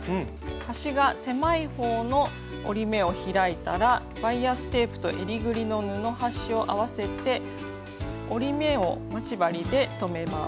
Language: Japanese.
端が狭い方の折り目を開いたらバイアステープとえりぐりの布端を合わせて折り目を待ち針で留めます。